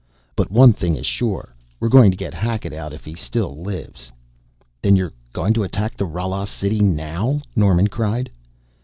But one thing is sure: we're going to get Hackett out if he still lives!" "Then you're, going to attack the Rala city now?" Norman cried.